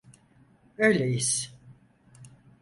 Öyleyiz.